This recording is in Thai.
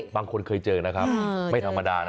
บางคนเคยเจอนะครับไม่ธรรมดานะ